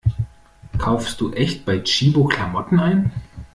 Kaufst du echt bei Tchibo Klamotten ein?